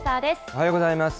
おはようございます。